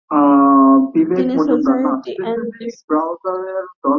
তিনি society and space জার্নালে নারীবাদ বিষয়ে প্রথম প্রবন্ধটি লিখেছিলেন।